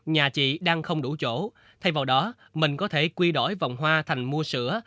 nhà chị đang không đủ chỗ thay vào đó mình có thể quy đổi vòng hoa thành mua sữa